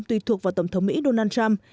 tùy thuộc vào tổng thống mỹ donald trump